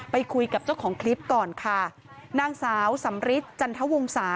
ไปคุยกับเจ้าของคลิปก่อนค่ะนางเซ้าสัมฤทธิ์จรรทะวงศา